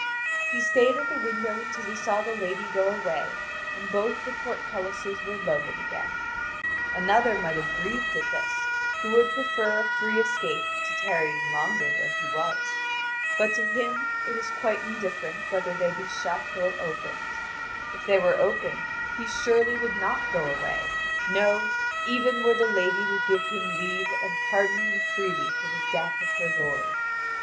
He stayed at the window until he saw the lady go away, and both the portcullises were lowered again. Another might have grieved at this, who would prefer a free escape to tarrying longer where he was. But to him it is quite indifferent whether they be shut or opened. If they were open he surely would not go away, no, even were the lady to give him leave and pardon him freely for the death of her lord.